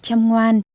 học hành chăm ngoan